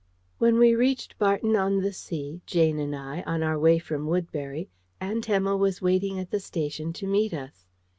When we reached Barton on the Sea, Jane and I, on our way from Woodbury, Aunt Emma was waiting at the station to meet us.